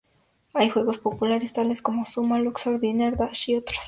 Hay juegos populares, tales como Zuma, Luxor, Diner Dash y otros.